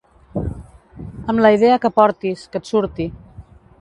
Amb la idea que portis, que et surti.